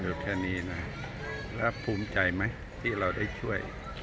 หยุดอยู่แค่นี้นะครับแล้วภูมิใจไหมที่เราได้ช่วย